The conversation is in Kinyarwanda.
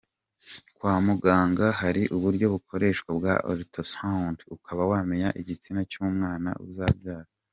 Kwa muganga hari uburyo bukoreshwa bwa ultrasound ukaba wamenya igitsina cy’umwana uzabyara.